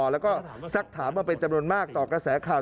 แล้วก็สักถามมาเป็นจำนวนมากต่อกระแสข่าว